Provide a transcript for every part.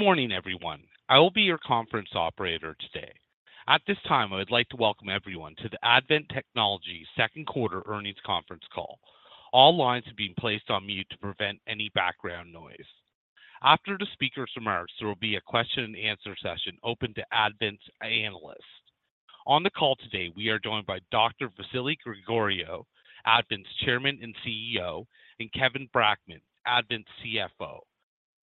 Good morning, everyone. I will be your conference operator today. At this time, I would like to welcome everyone to the Advent Technologies Second Quarter Earnings Conference Call. All lines have been placed on mute to prevent any background noise. After the speaker's remarks, there will be a question and answer session open to Advent's analysts. On the call today, we are joined by Dr. Vasilis Gregoriou, Advent's Chairman and CEO, and Kevin Brackman, Advent's CFO.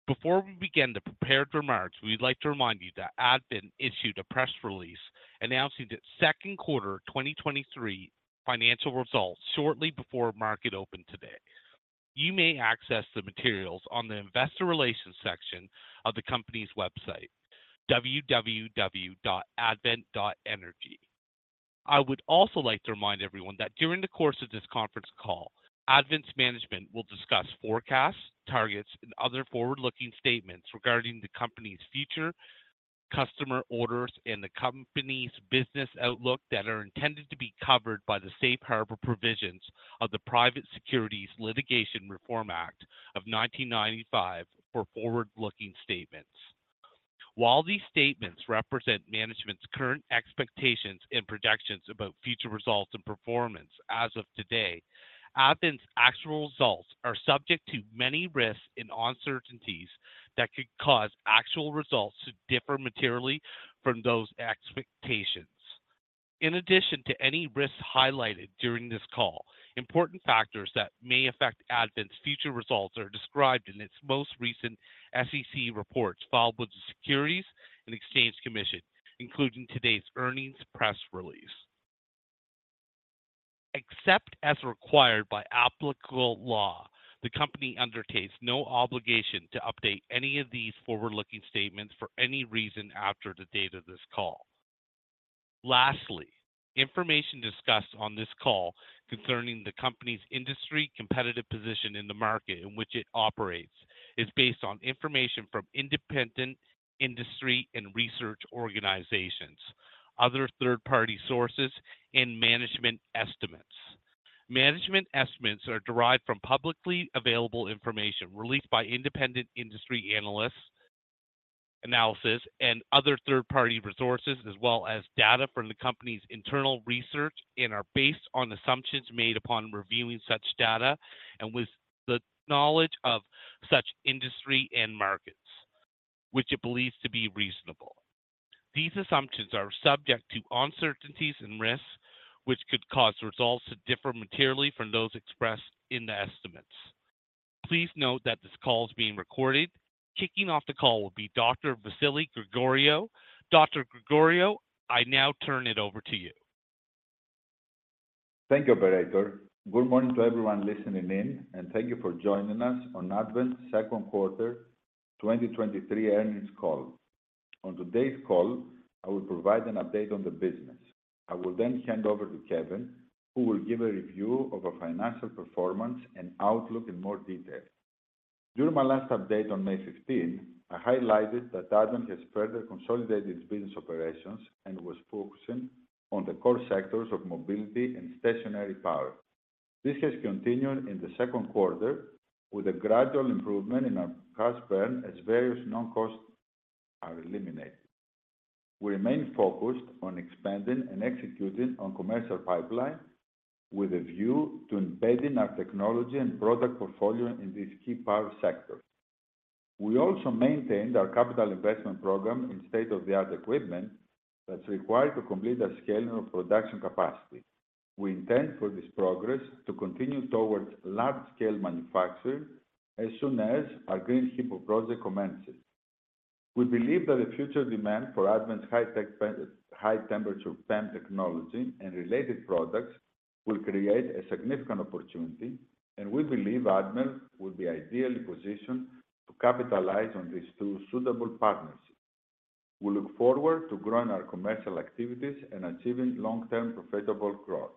Before we begin the prepared remarks, we'd like to remind you that Advent issued a press release announcing its second quarter 2023 financial results shortly before market open today. You may access the materials on the Investor Relations section of the company's website, www.advent.energy. I would also like to remind everyone that during the course of this conference call, Advent's management will discuss forecasts, targets, and other forward-looking statements regarding the company's future, customer orders, and the company's business outlook that are intended to be covered by the Safe Harbor Provisions of the Private Securities Litigation Reform Act of 1995 for forward-looking statements. While these statements represent management's current expectations and projections about future results and performance as of today, Advent's actual results are subject to many risks and uncertainties that could cause actual results to differ materially from those expectations. In addition to any risks highlighted during this call, important factors that may affect Advent's future results are described in its most recent SEC reports filed with the Securities and Exchange Commission, including today's earnings press release. Except as required by applicable law, the company undertakes no obligation to update any of these forward-looking statements for any reason after the date of this call. Lastly, information discussed on this call concerning the company's industry, competitive position in the market in which it operates, is based on information from independent industry and research organizations, other third-party sources, and management estimates. Management estimates are derived from publicly available information released by independent industry analysts, analysis, and other third-party resources, as well as data from the company's internal research, and are based on assumptions made upon reviewing such data and with the knowledge of such industry and markets, which it believes to be reasonable. These assumptions are subject to uncertainties and risks, which could cause results to differ materially from those expressed in the estimates. Please note that this call is being recorded. Kicking off the call will be Dr. Vasilis Gregoriou. Dr. Gregoriou, I now turn it over to you. Thank you, operator. Good morning to everyone listening in, and thank you for joining us on Advent second quarter 2023 earnings call. On today's call, I will provide an update on the business. I will then hand over to Kevin, who will give a review of our financial performance and outlook in more detail. During my last update on May 15, I highlighted that Advent has further consolidated its business operations and was focusing on the core sectors of mobility and stationary power. This has continued in the second quarter with a gradual improvement in our cash burn as various non-cost are eliminated. We remain focused on expanding and executing on commercial pipeline with a view to embedding our technology and product portfolio in these key power sectors. We also maintained our capital investment program in state-of-the-art equipment that's required to complete the scaling of production capacity. We intend for this progress to continue towards large-scale manufacturing as soon as our Green HiPo project commences. We believe that the future demand for Advent's high-temperature PEM technology and related products will create a significant opportunity, and we believe Advent will be ideally positioned to capitalize on these two suitable partnerships. We look forward to growing our commercial activities and achieving long-term profitable growth.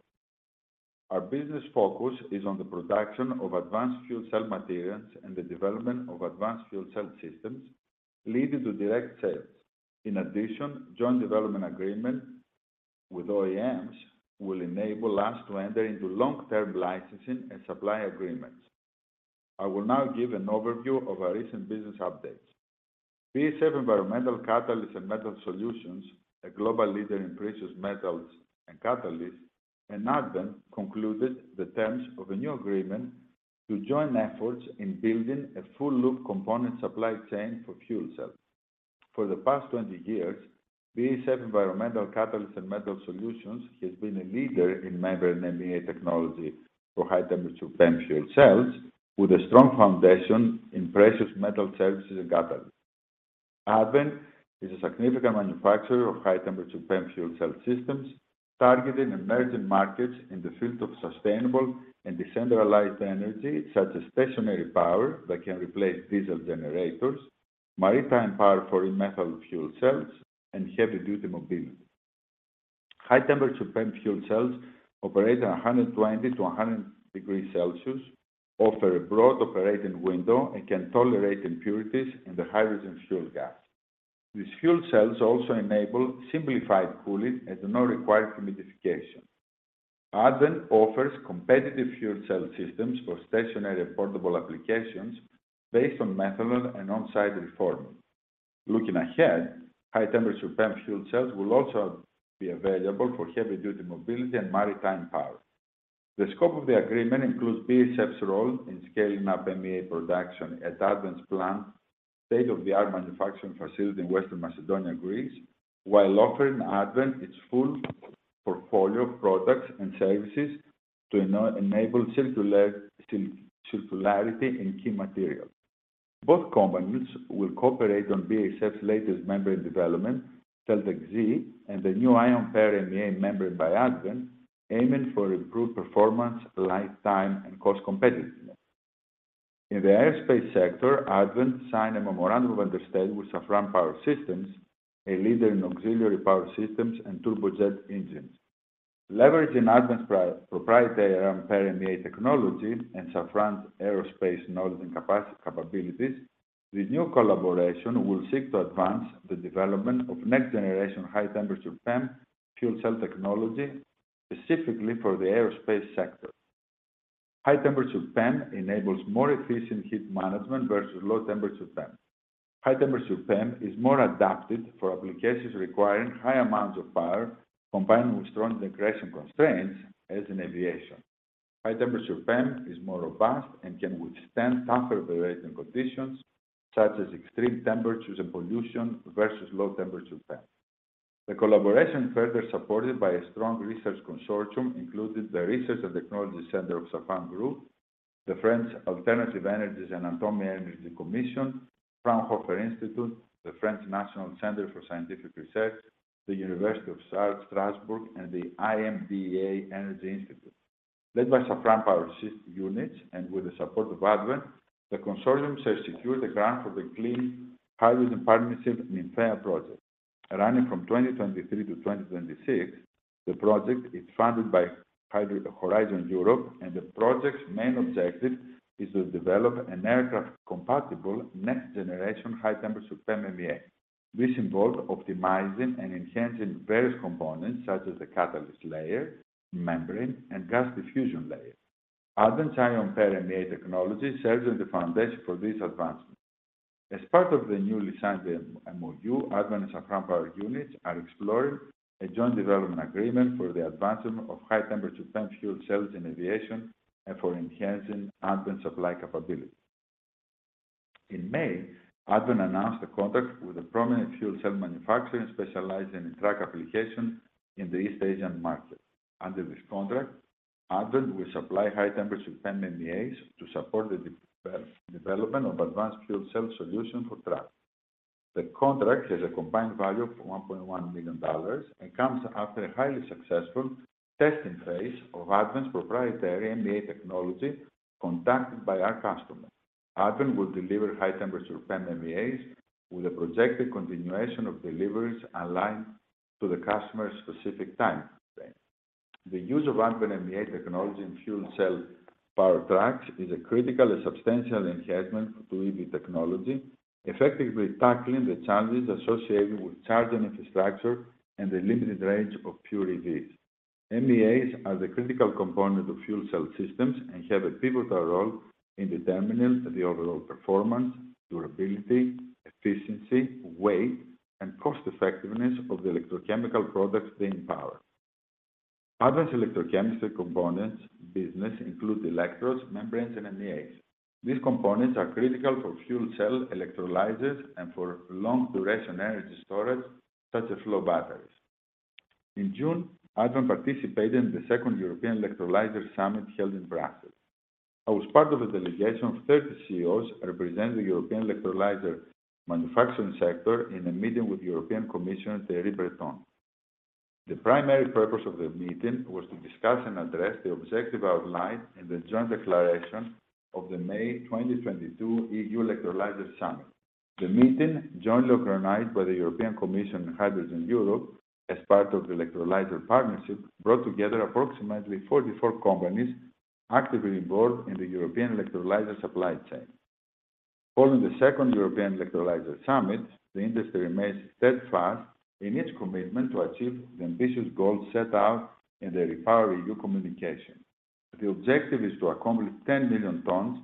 Our business focus is on the production of advanced fuel cell materials and the development of advanced fuel cell systems, leading to direct sales. In addition, joint development agreement with OEMs will enable us to enter into long-term licensing and supply agreements. I will now give an overview of our recent business updates. BASF Environmental Catalyst and Metal Solutions, a global leader in precious metals and catalysts, Advent concluded the terms of a new agreement to join efforts in building a full loop component supply chain for fuel cells. For the past 20 years, BASF Environmental Catalyst and Metal Solutions has been a leader in membrane MEA technology for high-temperature PEM fuel cells, with a strong foundation in precious metal services and catalysts. Advent is a significant manufacturer of high-temperature PEM fuel cell systems, targeting emerging markets in the field of sustainable and decentralized energy, such as stationary power that can replace diesel generators, maritime power for methanol fuel cells, and heavy-duty mobility. High-temperature PEM fuel cells operate at 120 to 100 degrees Celsius, offer a broad operating window, and can tolerate impurities in the hydrogen fuel gas. These fuel cells also enable simplified cooling and do not require humidification. Then offers competitive fuel cell systems for stationary and portable applications based on methanol and on-site reforming. Looking ahead, high temperature PEM fuel cells will also be available for heavy-duty mobility and maritime power. The scope of the agreement includes BASF's role in scaling up MEA production at Advent's plant, state-of-the-art manufacturing facility in Western Macedonia, Greece, while offering Advent its full portfolio of products and services to enable circularity in key materials. Both companies will cooperate on BASF's latest membrane development, Celtec-Z, and the new Ion Pair MEA membrane by Advent, aiming for improved performance, lifetime, and cost competitiveness. In the aerospace sector, Advent signed a memorandum of understanding with Safran Power Systems, a leader in auxiliary power systems and turbojet engines. Leveraging Advent's proprietary Ion Pair MEA technology and Safran's aerospace knowledge and capabilities, the new collaboration will seek to advance the development of next-generation high temperature PEM fuel cell technology, specifically for the aerospace sector. High temperature PEM enables more efficient heat management versus low temperature PEM. High temperature PEM is more adapted for applications requiring high amounts of power, combined with strong degradation constraints, as in aviation. High temperature PEM is more robust and can withstand tougher operating conditions, such as extreme temperatures and pollution, versus low temperature PEM. The collaboration, further supported by a strong research consortium, included the Research and Technology Center of Safran Group, the French Alternative Energies and Atomic Energy Commission, Fraunhofer Institute, the French National Centre for Scientific Research, the University of Strasbourg, and the IMDEA Energy Institute. Led by Safran Power Units, and with the support of Advent, the consortium has secured a grant for the Clean Hydrogen Partnership NYMPHEA project. Running from 2023-2026, the project is funded by Horizon Europe, and the project's main objective is to develop an aircraft-compatible, next-generation high-temperature PEM MEA. This involved optimizing and enhancing various components such as the catalyst layer, membrane, and gas diffusion layer. Advent's Ion Pair MEA technology serves as the foundation for these advancements. As part of the newly signed MoU, Advent and Safran Power Units are exploring a joint development agreement for the advancement of high-temperature PEM fuel cells in aviation and for enhancing Advent's supply capability. In May, Advent announced a contract with a prominent fuel cell manufacturer specializing in truck application in the East Asian market. Under this contract, Advent will supply high-temperature PEM MEAs to support the development of advanced fuel cell solutions for trucks. The contract has a combined value of $1.1 million and comes after a highly successful testing phase of Advent's proprietary MEA technology conducted by our customer. Advent will deliver high-temperature PEM MEAs with a projected continuation of deliveries aligned to the customer's specific time frame. The use of Advent MEA technology in fuel cell-powered trucks is a critical and substantial enhancement to EV technology, effectively tackling the challenges associated with charging infrastructure and the limited range of pure EVs. MEAs are the critical component of fuel cell systems and have a pivotal role in determining the overall performance, durability, efficiency, weight, and cost-effectiveness of the electrochemical products they empower. Advent's electrochemistry components business include electrodes, membranes, and MEAs. These components are critical for fuel cell electrolyzers and for long-duration energy storage, such as flow batteries. In June, Advent participated in the second European Electrolyser Summit, held in Brussels. I was part of a delegation of 30 CEOs representing the European electrolyzer manufacturing sector in a meeting with European Commissioner Thierry Breton. The primary purpose of the meeting was to discuss and address the objective outlined in the Joint Declaration of the May 2022 EU Electrolyser Summit. The meeting, jointly organized by the European Commission and Hydrogen Europe as part of the Electrolyser Partnership, brought together approximately 44 companies actively involved in the European electrolyzer supply chain. Following the second European Electrolyser Summit, the industry remains steadfast in its commitment to achieve the ambitious goals set out in the REPowerEU communication. The objective is to accomplish 10 million tons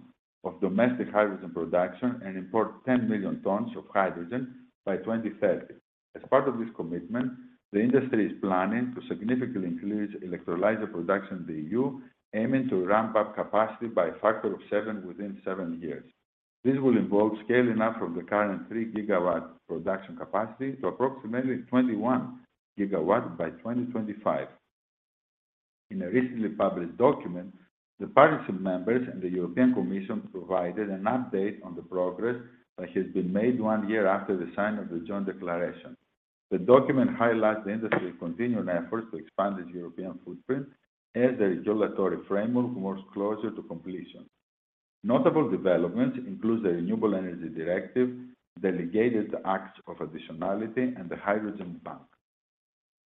of domestic hydrogen production and import 10 million tons of hydrogen by 2030. As part of this commitment, the industry is planning to significantly increase electrolyzer production in the EU, aiming to ramp up capacity by a factor of seven within seven years. This will involve scaling up from the current 3 GW production capacity to approximately 21 GW by 2025. In a recently published document, the partnership members and the European Commission provided an update on the progress that has been made one year after the signing of the Joint Declaration. The document highlights the industry's continuing efforts to expand its European footprint as the regulatory framework moves closer to completion. Notable developments include the Renewable Energy Directive, the Delegated Acts of Additionality, and the Hydrogen Bank.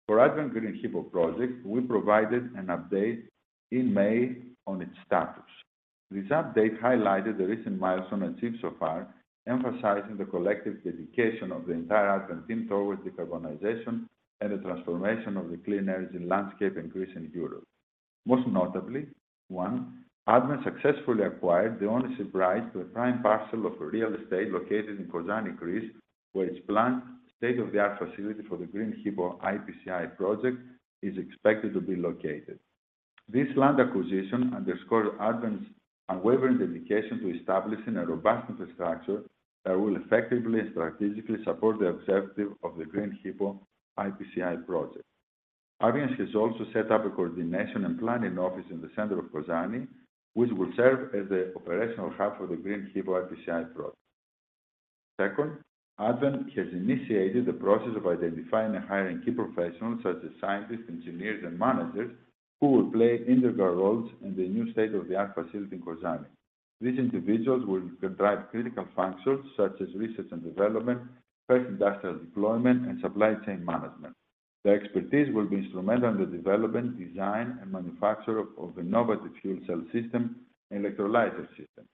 For Advent Green HiPo project, we provided an update in May on its status. This update highlighted the recent milestone achieved so far, emphasizing the collective dedication of the entire Advent team towards decarbonization and the transformation of the clean energy landscape in Greece and Europe. Most notably, one, Advent successfully acquired the ownership right to a prime parcel of real estate located in Kozani, Greece, where its planned state-of-the-art facility for the Green HiPo IPCEI project is expected to be located. This land acquisition underscores Advent's unwavering dedication to establishing a robust infrastructure that will effectively and strategically support the objective of the Green HiPo IPCEI project. Advent has also set up a coordination and planning office in the center of Kozani, which will serve as the operational hub for the Green HiPo IPCEI project. Second, Advent has initiated the process of identifying and hiring key professionals such as scientists, engineers, and managers, who will play integral roles in the new state-of-the-art facility in Kozani. These individuals will drive critical functions such as research and development, first industrial deployment, and supply chain management. Their expertise will be instrumental in the development, design, and manufacture of innovative fuel cell system and electrolyzer system.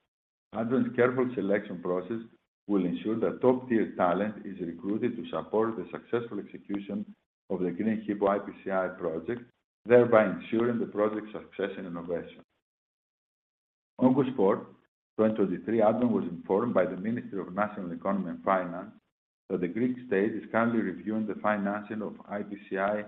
Advent's careful selection process will ensure that top-tier talent is recruited to support the successful execution of the Green HiPo IPCEI project, thereby ensuring the project's success and innovation. On August fourth, 2023, Advent was informed by the Ministry of National Economy and Finance that the Greek state is currently reviewing the financing of IPCEI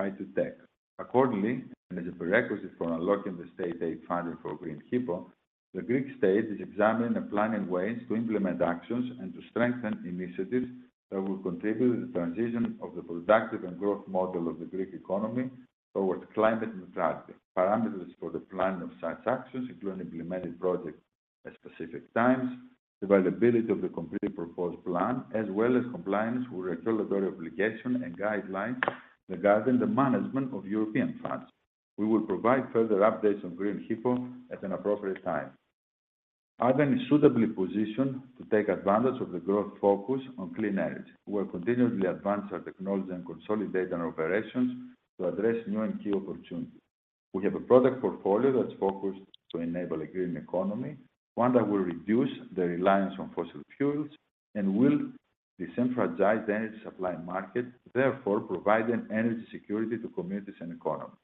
Hy2Tech. Accordingly, as a prerequisite for unlocking the state aid funding for Green HiPo, the Greek state is examining and planning ways to implement actions and to strengthen initiatives that will contribute to the transition of the productive and growth model of the Greek economy towards climate neutrality. Parameters for the planning of such actions include implementing projects at specific times, the availability of the completed proposed plan, as well as compliance with regulatory obligations and guidelines regarding the management of European funds. We will provide further updates on Green HiPo at an appropriate time. Advent is suitably positioned to take advantage of the growth focus on clean energy. We're continually advancing our technology and consolidating our operations to address new and key opportunities. We have a product portfolio that's focused to enable a green economy, one that will reduce the reliance on fossil fuels and will decentralize the energy supply market, therefore, providing energy security to communities and economy.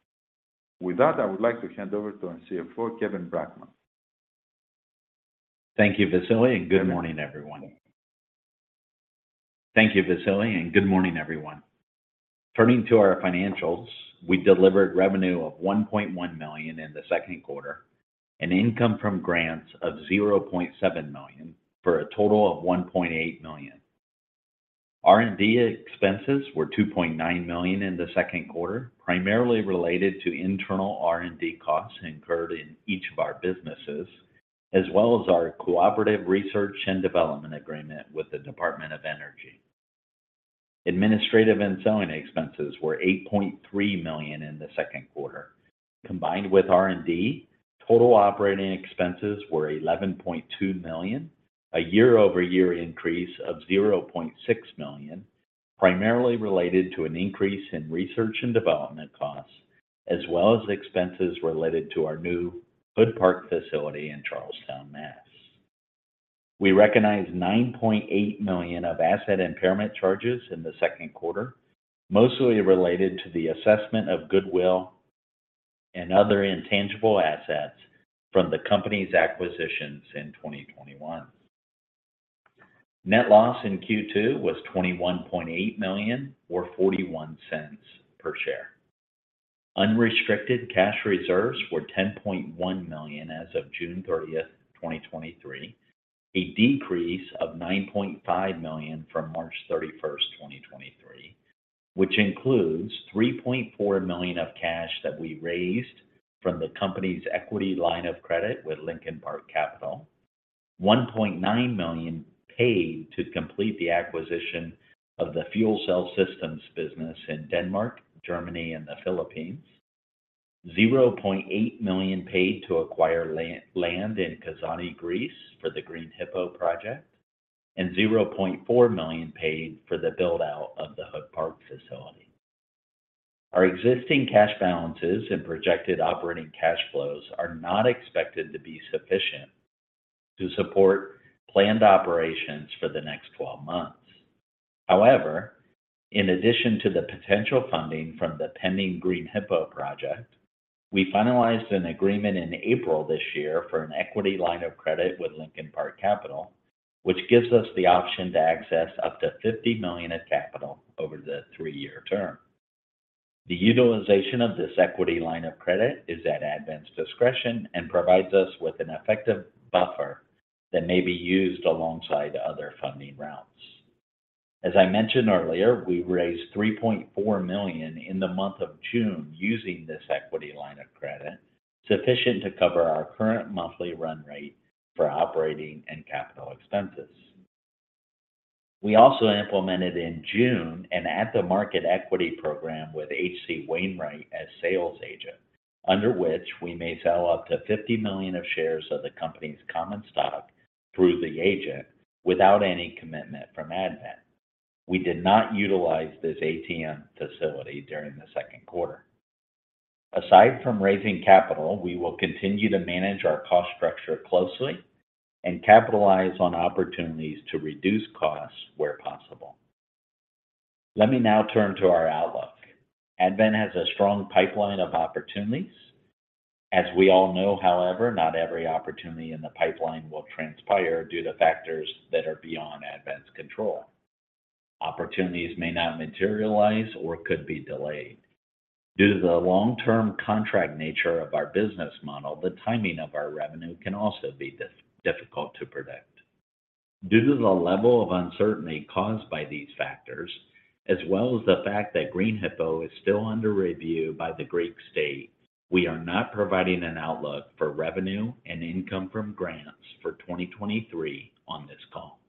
With that, I would like to hand over to our CFO, Kevin Brackman. Thank you, Vasilis, and good morning, everyone. Thank you, Vasilis, and good morning, everyone. Turning to our financials, we delivered revenue of $1.1 million in the second quarter, and income from grants of $0.7 million, for a total of $1.8 million. R&D expenses were $2.9 million in the second quarter, primarily related to internal R&D costs incurred in each of our businesses, as well as our cooperative research and development agreement with the Department of Energy. Administrative and selling expenses were $8.3 million in the second quarter. Combined with R&D, total operating expenses were $11.2 million, a year-over-year increase of $0.6 million, primarily related to an increase in research and development costs, as well as expenses related to our new Hood Park facility in Charlestown, Mass. We recognized $9.8 million of asset impairment charges in the second quarter, mostly related to the assessment of goodwill and other intangible assets from the company's acquisitions in 2021. Net loss in Q2 was $21.8 million, or $0.41 per share. Unrestricted cash reserves were $10.1 million as of June 30, 2023, a decrease of $9.5 million from March 31, 2023, which includes $3.4 million of cash that we raised from the company's equity line of credit with Lincoln Park Capital, $1.9 million paid to complete the acquisition of the fuel cell systems business in Denmark, Germany, and the Philippines, $0.8 million paid to acquire land in Kozani, Greece, for the Green HiPo project, and $0.4 million paid for the build-out of the Hood Park facility. Our existing cash balances and projected operating cash flows are not expected to be sufficient to support planned operations for the next 12 months. However, in addition to the potential funding from the pending Green HiPo project, we finalized an agreement in April this year for an equity line of credit with Lincoln Park Capital, which gives us the option to access up to $50 million of capital over the three-year term. The utilization of this equity line of credit is at Advent's discretion and provides us with an effective buffer that may be used alongside other funding routes. As I mentioned earlier, we raised $3.4 million in the month of June using this equity line of credit, sufficient to cover our current monthly run rate for operating and capital expenses. We also implemented in June an at-the-market equity program with H.C. Wainwright as sales agent, under which we may sell up to $50 million of shares of the company's common stock through the agent without any commitment from Advent. We did not utilize this ATM facility during the second quarter. Aside from raising capital, we will continue to manage our cost structure closely and capitalize on opportunities to reduce costs where possible. Let me now turn to our outlook. Advent has a strong pipeline of opportunities. As we all know, however, not every opportunity in the pipeline will transpire due to factors that are beyond Advent's control. Opportunities may not materialize or could be delayed. Due to the long-term contract nature of our business model, the timing of our revenue can also be difficult to predict. Due to the level of uncertainty caused by these factors, as well as the fact that Green HiPo is still under review by the Greek state, we are not providing an outlook for revenue and income from grants for 2023 on this call.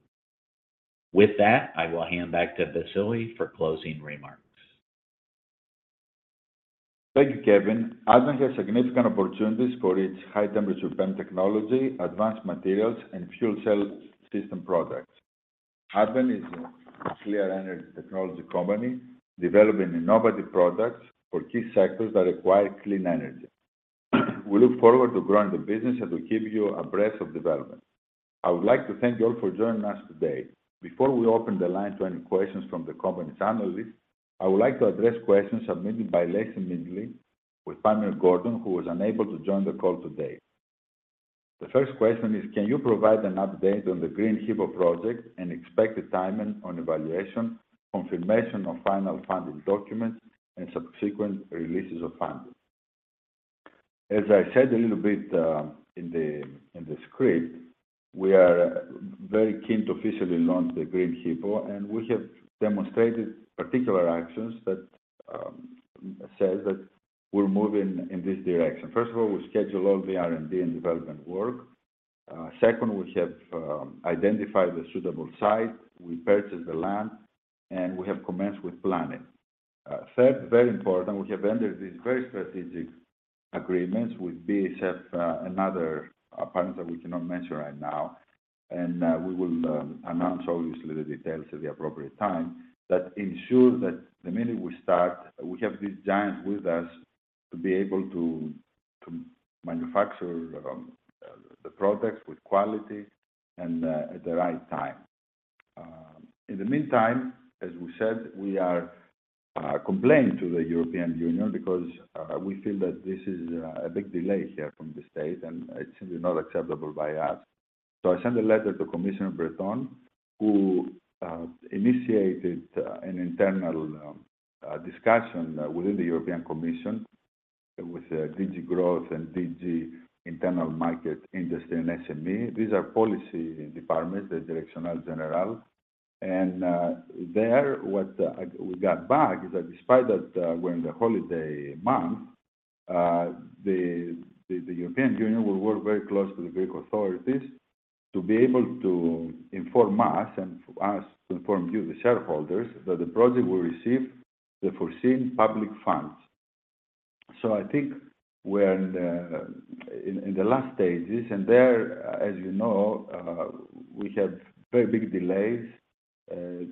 With that, I will hand back to Vasily for closing remarks. Thank you, Kevin. Advent has significant opportunities for its high temperature technology, advanced materials, and fuel cell system products. Advent is a clear energy technology company developing innovative products for key sectors that require clean energy. We look forward to growing the business and to give you a breadth of development. I would like to thank you all for joining us today. Before we open the line to any questions from the company's analysts, I would like to address questions submitted by Lacey Midgley with Pamela Gordon, who was unable to join the call today. The first question is: Can you provide an update on the Green HiPo project and expected timing on evaluation, confirmation of final funding documents, and subsequent releases of funding? As I said a little bit in the script, we are very keen to officially launch the Green HiPo. We have demonstrated particular actions that says that we're moving in this direction. First of all, we schedule all the R&D and development work. Second, we have identified the suitable site, we purchased the land. We have commenced with planning. Third, very important, we have entered these very strategic agreements with BASF, another partner that we cannot mention right now. We will announce obviously the details at the appropriate time, that ensure that the minute we start, we have these giants with us to be able to manufacture the products with quality and at the right time. In the meantime, as we said, we are complaining to the European Union because we feel that this is a big delay here from the state, and it's simply not acceptable by us. I sent a letter to Commissioner Breton, who initiated an internal discussion within the European Commission with DG GROW and DG Internal Market Industry and SME. These are policy departments, the Directorate-General. There, what we got back is that despite that we're in the holiday month, the European Union will work very closely with Greek authorities to be able to inform us, and us to inform you, the shareholders, that the project will receive the foreseen public funds. I think we're in the last stages, and there, as you know, we have very big delays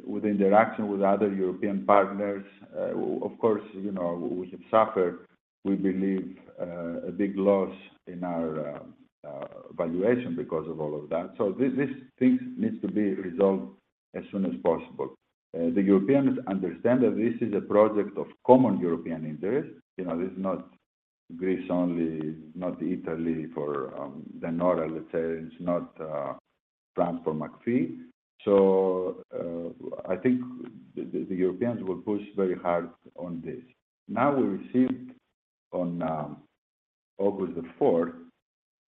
with interaction with other European partners. Of course, you know, we have suffered, we believe, a big loss in our valuation because of all of that. This, this thing needs to be resolved as soon as possible. The Europeans understand that this is a project of common European interest. You know, this is not Greece only, not Italy for the north, let's say, it's not France for McPhy. I think the Europeans will push very hard on this. Now, we received on August the fourth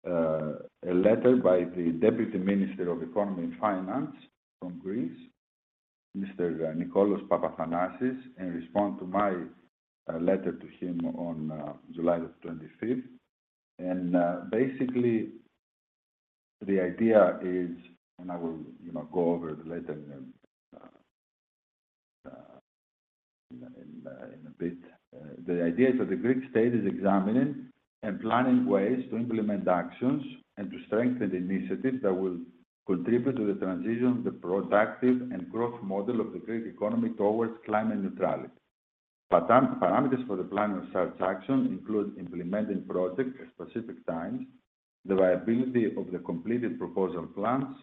a letter by the Deputy Minister of Economy and Finance from Greece, Mr. Nikos Papathanasiou, in response to my letter to him on July the 25th. Basically, the idea is, and I will, you know, go over the letter in a bit. The idea is that the Greek state is examining and planning ways to implement actions and to strengthen the initiatives that will contribute to the transition of the productive and growth model of the Greek economy towards climate neutrality. Parameters for the plan and such action include implementing projects at specific times, the viability of the completed proposal plans,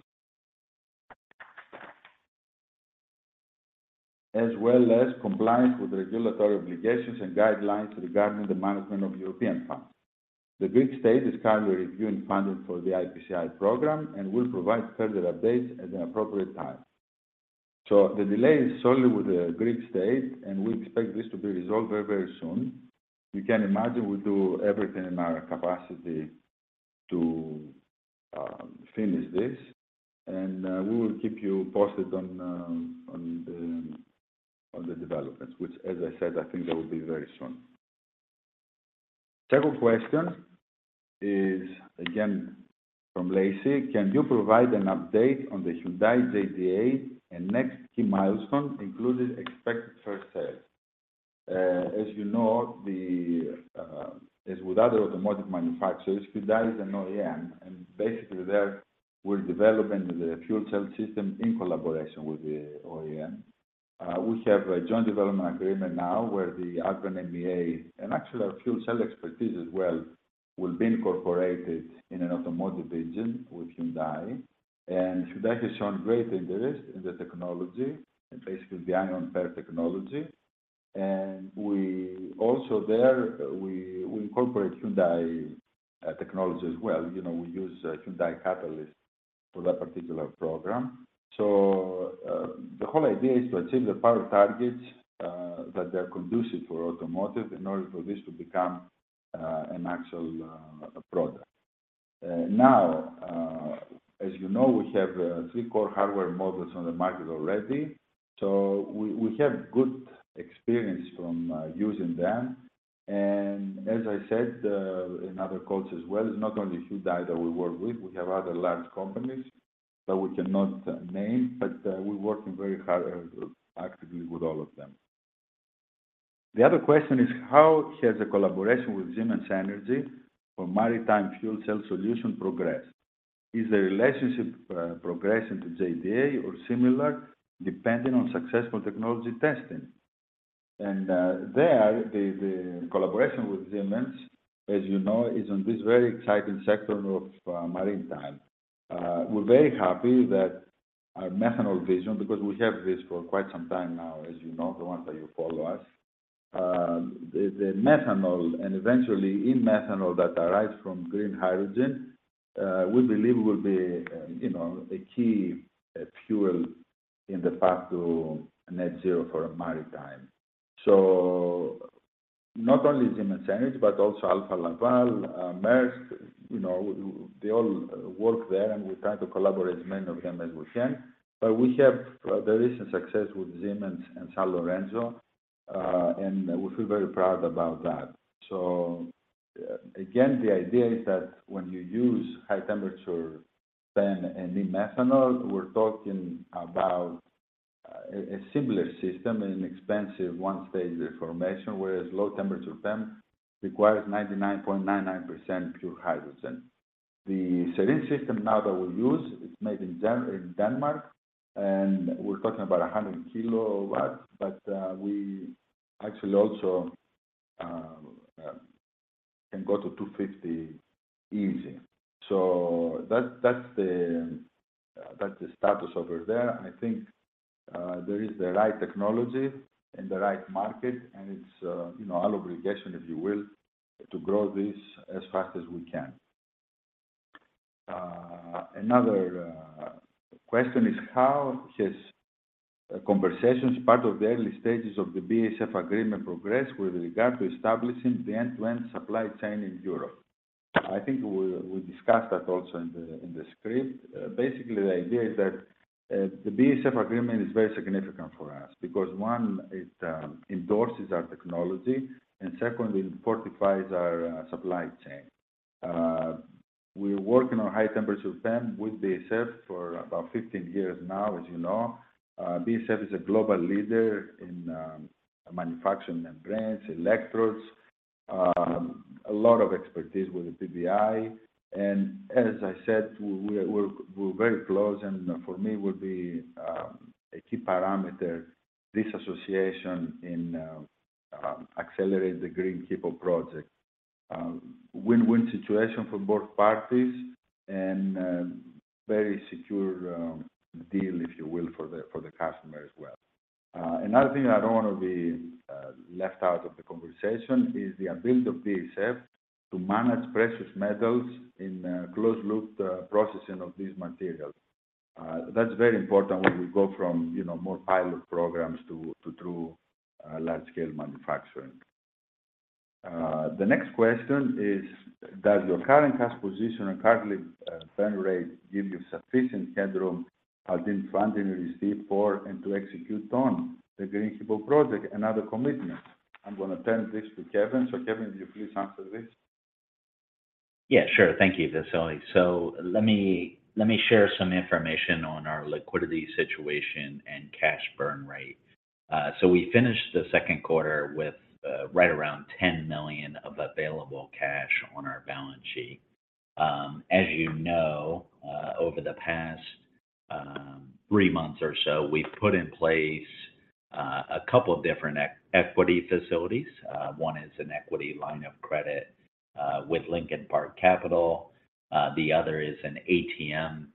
as well as compliance with regulatory obligations and guidelines regarding the management of European funds. The Greek state is currently reviewing funding for the IPCEI program and will provide further updates at an appropriate time. The delay is solely with the Greek state, and we expect this to be resolved very, very soon. You can imagine we do everything in our capacity to finish this, and we will keep you posted on, on the developments, which, as I said, I think that will be very soon. Second question is, again, from Lacey: Can you provide an update on the Hyundai JDA and next key milestone, including expected first sale? As you know, the as with other automotive manufacturers, Hyundai is an OEM, and basically there we're developing the fuel cell system in collaboration with the OEM. We have a joint development agreement now where the Ion Pair MEA, and actually our fuel cell expertise as well, will be incorporated in an automotive engine with Hyundai. Hyundai has shown great interest in the technology, and basically the ion pair technology. We also there, we, we incorporate Hyundai technology as well. You know, we use Hyundai catalyst for that particular program. The whole idea is to achieve the power targets that are conducive for automotive in order for this to become an actual product. Now, as you know, we have three core hardware models on the market already, so we, we have good experience from using them. As I said, in other calls as well, it's not only Hyundai that we work with, we have other large companies that we cannot name, but, we're working very hard and actively with all of them. The other question is: How has the collaboration with Siemens Energy for maritime fuel cell solution progressed? Is the relationship progressing to JDA or similar, depending on successful technology testing? There, the collaboration with Siemens, as you know, is on this very exciting sector of maritime. We're very happy that our methanol vision, because we have this for quite some time now, as you know, the ones that you follow us. The methanol and eventually e-methanol that arrives from green hydrogen, we believe will be, you know, a key fuel in the path to net zero for maritime. Not only Siemens Energy, but also Alfa Laval, Maersk, you know, they all work there, and we try to collaborate as many of them as we can. We have the recent success with Siemens and Sanlorenzo, and we feel very proud about that. Again, the idea is that when you use high-temperature PEM and e-methanol, we're talking about a similar system, an expensive one-stage reformation, whereas low-temperature PEM requires 99.99% pure hydrogen. The SerEnergy system now that we use, it's made in Denmark, and we're talking about 100 kW, but we actually also can go to 250 easy. That's the, that's the status over there. I think there is the right technology and the right market, and it's, you know, our obligation, if you will, to grow this as fast as we can. Another question is: How has conversations, part of the early stages of the BASF agreement progressed with regard to establishing the end-to-end supply chain in Europe? I think we discussed that also in the script. Basically, the idea is that the BASF agreement is very significant for us because, one, it endorses our technology, and secondly, it fortifies our supply chain. We're working on high temperature PEM with BASF for about 15 years now, as you know. BASF is a global leader in manufacturing membranes, electrodes, a lot of expertise with the PBI. As I said, we're very close, and for me, it would be a key parameter, this association in accelerate the Green HiPo project. Win-win situation for both parties and very secure deal, if you will, for the customer as well. Another thing I don't want to be left out of the conversation is the ability of BASF to manage precious metals in a closed-loop processing of these materials. That's very important when we go from, you know, more pilot programs to, to true, large-scale manufacturing. The next question is: Does your current cash position and currently, burn rate give you sufficient headroom as in funding you receive for and to execute on the Green HiPo project and other commitments? I'm gonna turn this to Kevin. Kevin, would you please answer this? Yeah, sure. Thank you, Vasilis. Let me, let me share some information on our liquidity situation and cash burn rate. We finished the second quarter with right around $10 million of available cash on our balance sheet. As you know, over the past three months or so, we've put in place a couple of different equity facilities. One is an equity line of credit with Lincoln Park Capital. The other is an ATM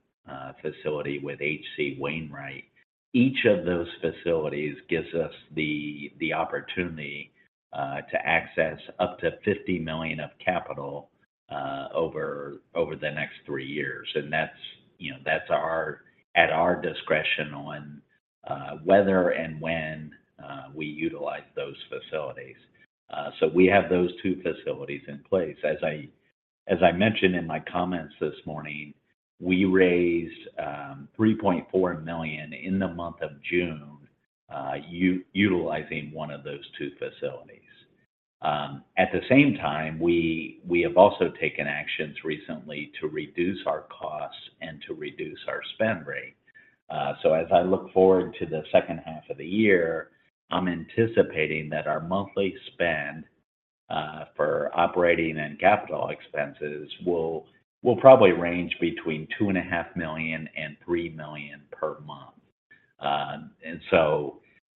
facility with H.C. Wainwright. Each of those facilities gives us the opportunity to access up to $50 million of capital over the next three years. That's, you know, that's our at our discretion on whether and when we utilize those facilities. We have those two facilities in place. As I, as I mentioned in my comments this morning, we raised $3.4 million in the month of June, utilizing one of those two facilities. At the same time, we, we have also taken actions recently to reduce our costs and to reduce our spend rate. As I look forward to the second half of the year, I'm anticipating that our monthly spend for operating and capital expenses will, will probably range between $2.5 million and $3 million per month.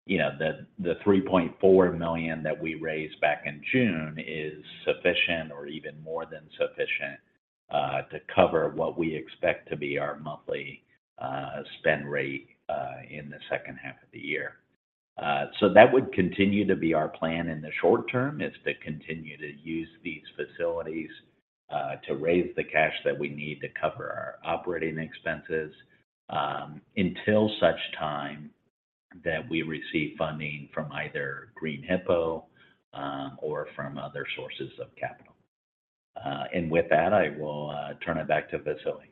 You know, the, the $3.4 million that we raised back in June is sufficient or even more than sufficient to cover what we expect to be our monthly spend rate in the second half of the year. That would continue to be our plan in the short term, is to continue to use these facilities to raise the cash that we need to cover our operating expenses until such time that we receive funding from either Green HiPo or from other sources of capital. With that, I will turn it back to Vasily.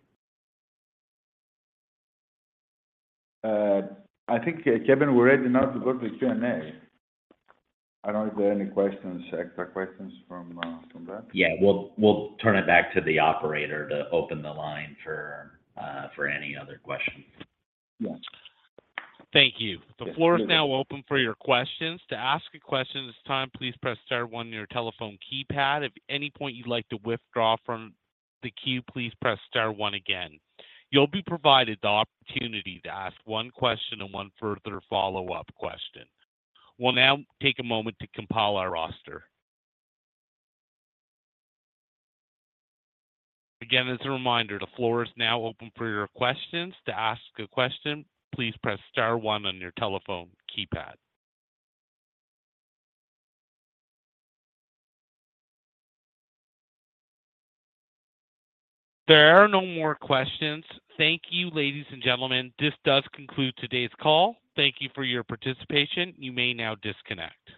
I think, Kevin, we're ready now to go to the Q&A. I don't know if there are any questions, extra questions from, from that. Yeah, we'll turn it back to the operator to open the line for any other questions. Yeah. Thank you. The floor is now open for your questions. To ask a question this time, please press star one on your telephone keypad. If at any point you'd like to withdraw from the queue, please press star one again. You'll be provided the opportunity to ask one question and one further follow-up question. We'll now take a moment to compile our roster. Again, as a reminder, the floor is now open for your questions. To ask a question, please press star one on your telephone keypad. There are no more questions. Thank you, ladies and gentlemen, this does conclude today's call. Thank you for your participation. You may now disconnect.